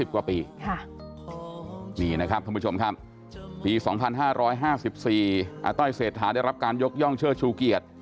๓๐กว่าปีนี่นะครับท่านผู้ชมครับปี๒๕๕๔อต้อยเศรษฐาได้รับการยกย่องเชื่อชูเกียจ